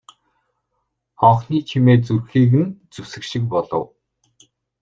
Хонхны чимээ зүрхийг нь зүсэх шиг болов.